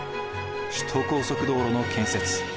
首都高速道路の建設。